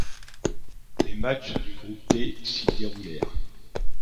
Les matchs du groupe D s'y déroulèrent.